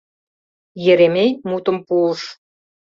— Еремей мутым пуыш.